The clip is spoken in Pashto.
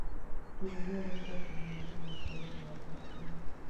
جنوبي امریکا په جنوبي نیمه کره کې موقعیت لري.